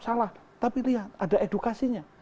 salah tapi lihat ada edukasinya